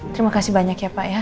terima kasih banyak ya pak ya